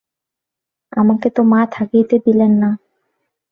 আমাকে তো মা থাকিতে দিলেন না।